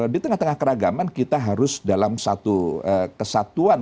di tengah tengah keragaman kita harus dalam satu kesatuan